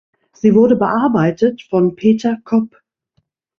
Sie wurde bearbeitet von Peter Kopp.